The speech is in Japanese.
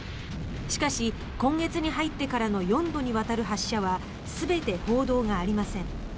しかし、今月に入ってからの４度にわたる発射は全て報道がありません。